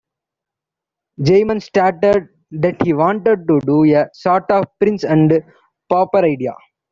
Gaiman stated that he wanted to do a sort of Prince and Pauper idea.